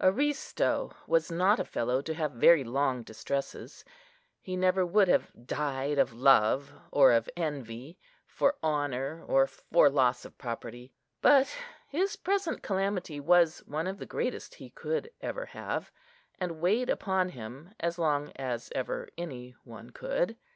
Aristo was not a fellow to have very long distresses; he never would have died of love or of envy, for honour or for loss of property; but his present calamity was one of the greatest he could ever have, and weighed upon him as long as ever any one could.